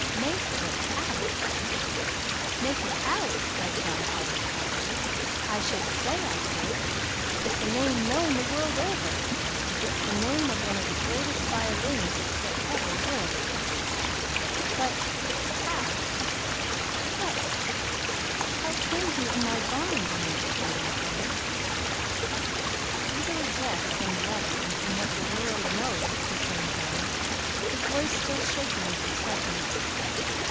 "Make it out make it out!" cried John Holly excitedly; "I should say I could! It's a name known the world over. It's the name of one of the greatest violinists that ever lived." "But how what how came he in my barn?" demanded Simeon Holly. "Easily guessed, from the letter, and from what the world knows," returned John, his voice still shaking with excitement.